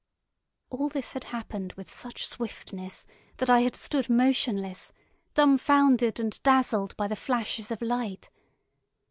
All this had happened with such swiftness that I had stood motionless, dumbfounded and dazzled by the flashes of light.